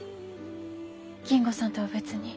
金吾さんとは別に。